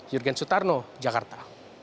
jurgen sutarno jakarta